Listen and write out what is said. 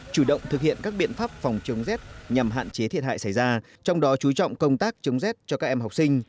chủ động thực hiện các biện pháp phòng chống rét nhằm hạn chế thiệt hại xảy ra trong đó chú trọng công tác chống rét cho các em học sinh